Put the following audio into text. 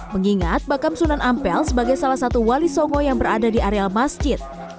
mengingat bakam sunan ampel sebagai salah satu wali songo yang berada di areal masjid